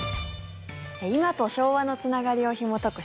今と昭和のつながりをひもとく